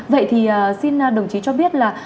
vậy thì xin đồng chí cho biết là